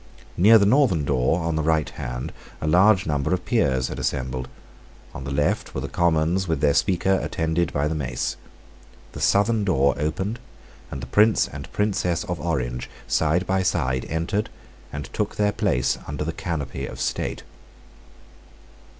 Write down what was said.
Near the northern door, on the right hand, a large number of Peers had assembled. On the left were the Commons with their Speaker, attended by the mace. The southern door opened: and the Prince and Princess of Orange, side by side, entered, and took their place under the canopy of state.